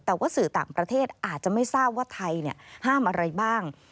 แต่ว่าสื่อต่างประเทศอาจจะไม่ทราบว่าไทยห้ามอะไรบ้าง